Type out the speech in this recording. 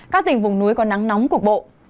các tỉnh vùng núi có nắng nóng cục bộ